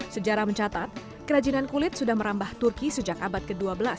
sejarah mencatat kerajinan kulit sudah merambah turki sejak abad ke dua belas